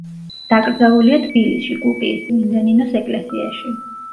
დაკრძალულია თბილისში, კუკიის წმინდა ნინოს ეკლესიაში.